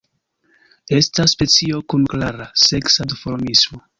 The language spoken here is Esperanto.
Estas specio kun klara seksa duformismo.